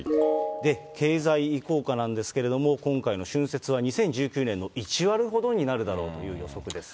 経済効果なんですけれども、今回の春節は２０１９年の１割ほどになるだろうという予測です。